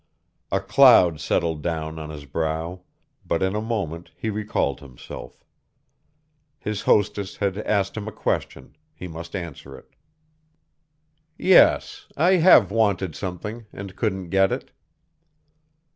A cloud settled down on his brow. But in a moment he recalled himself. His hostess had asked him a question; he must answer it. "Yes, I have wanted something and couldn't get it."